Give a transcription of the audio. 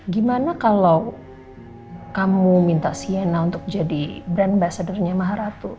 gimana kalau kamu minta sienna untuk jadi brand ambassador nya maharatu